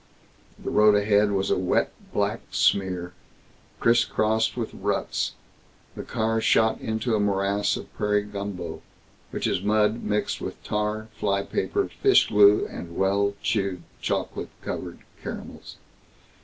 The road ahead was a wet black smear, criss crossed with ruts. The car shot into a morass of prairie gumbo which is mud mixed with tar, fly paper, fish glue, and well chewed, chocolate covered caramels.